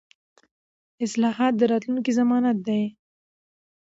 اصلاحات د راتلونکي ضمانت دي